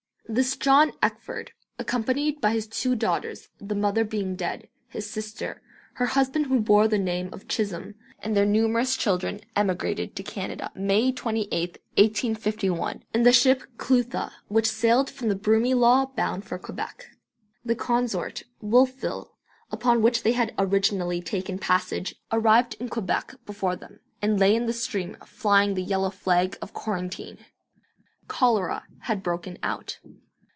This John Eckford, accompanied by his two daughters, the mother being dead, his sister, her husband who bore the name of Chisholm, and their numerous children emigrated to Canada, May 28th, 1851, in the ship 'Clutha' which sailed from the Broomielaw bound for Quebec. The consort, 'Wolfville', upon which they had originally taken passage, arrived in Quebec before them, and lay in the stream, flying the yellow flag of quarantine. Cholera had broken out.